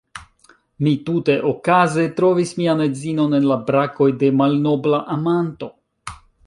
Mi tute okaze trovis mian edzinon en la brakoj de malnobla amanto!